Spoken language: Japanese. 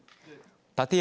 立山